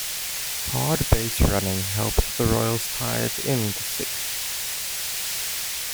Hard base-running helped the Royals tie it in the sixth.